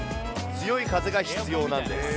強い風が必要なんです。